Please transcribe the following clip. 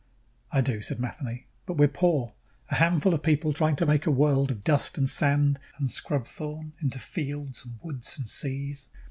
"I do know," said Matheny. "But we're poor a handful of people trying to make a world of dust and sand and scrub thorn into fields and woods and seas.